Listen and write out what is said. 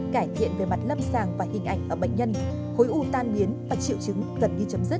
cải thiện về mặt lâm sàng và hình ảnh ở bệnh nhân khối u tan biến và triệu chứng gần như chấm dứt